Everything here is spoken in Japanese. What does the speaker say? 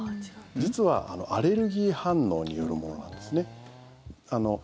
実はアレルギー反応によるものなんですね。